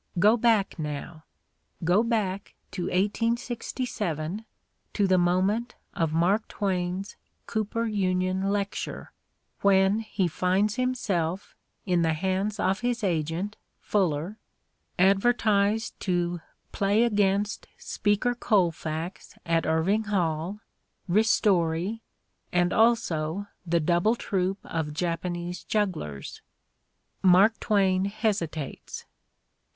Go back now; go back to 1867, to the moment of Mark Twain's Cooper Union lecture, when he finds himself, in the hands of his agent Fuller, advertised to "play against Speaker Colfax at Irving Hall, Ristori, and also the double troupe of Japanese jugglers." Mark Twain hesitates.